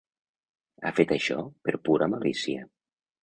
Ha fet això per pura malícia.